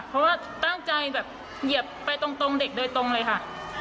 เพราะว่าตั้งใจแบบเหยียบไปตรงเด็กโดยตรงเลยค่ะ